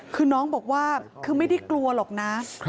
คือน้องบอกว่าคือไม่ได้กลัวหรอกนะ